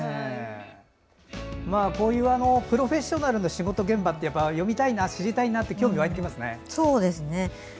プロフェッショナルな仕事現場って読みたいな知りたいなって興味が湧いてきますね。